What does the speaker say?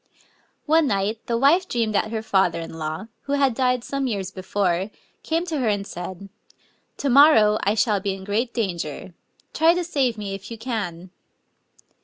One night the wife dreamed that her fether in law, who had died some years before, came to her and said, " To morrow I shall be in great danger : try to save me if you can!"